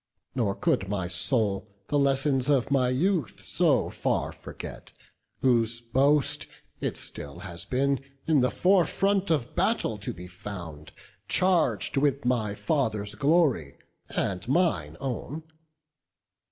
Nor could my soul the lessons of my youth So far forget, whose boast it still has been In the fore front of battle to be found, Charg'd with my father's glory and mine own.